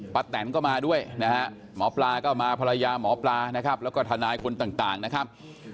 ปัดแตนก็มาด้วยหมอปลาก็มาภรรยามอบปลาแล้วก็ทานายคนต่างนะครับ